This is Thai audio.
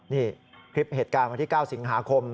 นี่คลิปเหตุการณ์วันที่๙สิงหาคม